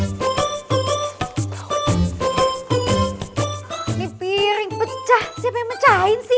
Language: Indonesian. ini piring pecah siapa yang mecahin sih